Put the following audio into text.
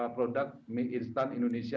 produk mie instan indonesia